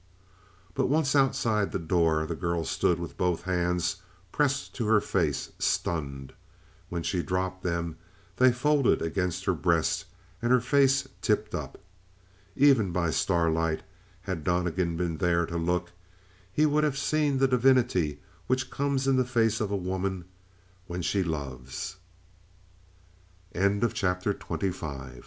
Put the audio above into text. But once outside the door, the girl stood with both hands pressed to her face, stunned. When she dropped them, they folded against her breast, and her face tipped up. Even by starlight, had Donnegan been there to look, he would have seen the divinity which comes in the face of a woman when she loves. 26 Had he been there to s